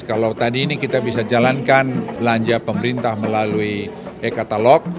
kalau tadi ini kita bisa jalankan belanja pemerintah melalui e katalog